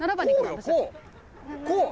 こう！